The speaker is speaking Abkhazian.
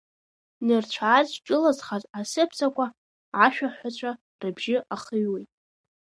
Нырцә-аарцә зҿылазхаз асыԥсақәа ашәаҳәацәа рыбжьы ахыҩуеит.